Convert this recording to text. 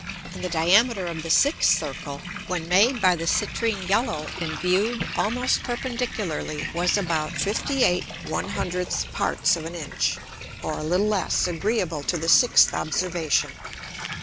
And the Diameter of the sixth Circle, when made by the citrine yellow, and viewed almost perpendicularly was about 58/100 parts of an Inch, or a little less, agreeable to the sixth Observation.